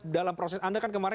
dalam proses anda kan kemarin